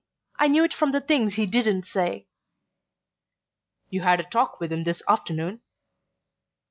I knew it from the things he didn't say." "You had a talk with him this afternoon?"